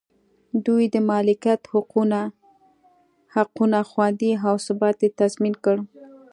دوی د مالکیت حقونه خوندي او ثبات یې تضمین کړ.